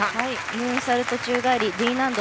ムーンサルト宙返りＤ難度。